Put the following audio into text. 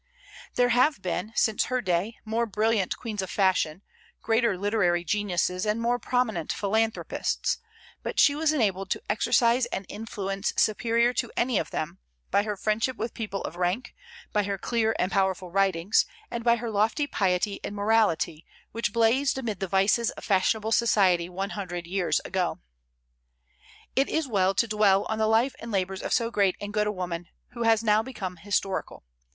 There have been, since her day, more brilliant queens of fashion, greater literary geniuses, and more prominent philanthropists; but she was enabled to exercise an influence superior to any of them, by her friendship with people of rank, by her clear and powerful writings, and by her lofty piety and morality, which blazed amid the vices of fashionable society one hundred years ago. It is well to dwell on the life and labors of so great and good a woman, who has now become historical.